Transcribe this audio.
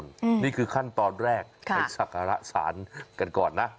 อืมนี่คือขั้นตอนแรกค่ะให้สักการะสานกันก่อนนะ